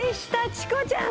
チコちゃん